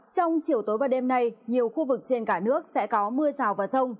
trong chiều tối và đêm nay nhiều khu vực trên cả nước sẽ có mưa rào và rông